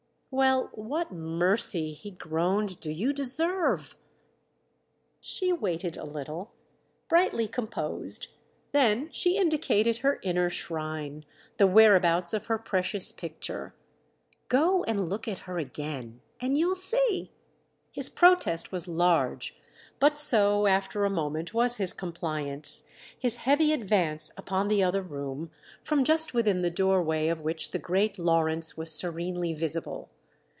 "Well, what mercy," he groaned, "do you deserve?" She waited a little, brightly composed—then she indicated her inner shrine, the whereabouts of her precious picture. "Go and look at her again and you'll see." His protest was large, but so, after a moment, was his compliance—his heavy advance upon the other room, from just within the doorway of which the great Lawrence was serenely visible.